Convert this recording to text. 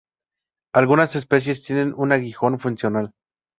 Algunas especies tienen un aguijón funcional.